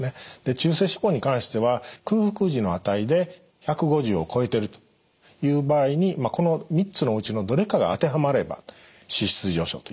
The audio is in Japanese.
中性脂肪に関しては空腹時の値で１５０を超えてるという場合にこの３つのうちのどれかが当てはまれば脂質異常症というふうに診断されます。